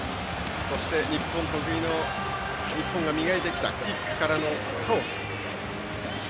そして、日本得意の日本が磨いてきたキックからのカオス。